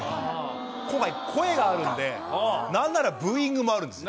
今回、声があるんで、なんならブーイングもあるんですよ。